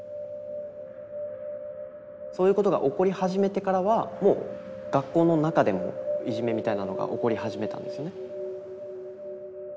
そういうことが起こり始めてからはもう学校の中でもいじめみたいなのが起こり始めたんですよね。